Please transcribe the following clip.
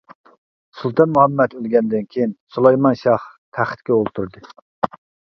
سۇلتان مۇھەممەد ئۆلگەندىن كېيىن، سۇلايمان شاھ تەختكە ئولتۇردى.